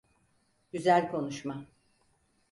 Güzel konuşma.